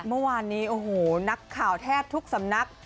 เมื่อวานนี้โอ้โหนักข่าวแทบทุกสำนัก